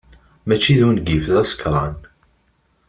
Mačči d ungif, d asekṛan.